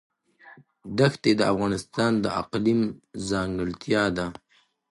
دښتې د افغانستان د اقلیم ځانګړتیا ده.